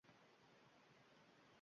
Bir kun bo'lsa ham